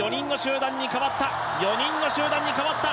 ４人の集団に変わった。